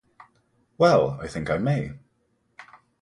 Well, I think I may.